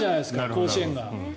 甲子園が。